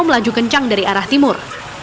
melaju kencang dari arah timur